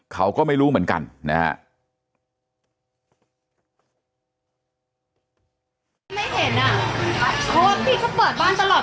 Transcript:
เขาก็ไม่รู้เหมือนกันนะฮะ